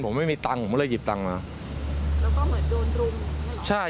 ผมไม่มีตังค์ผมก็เลยหยิบตังค์มาแล้วก็เหมือนโดนรุมหรอใช่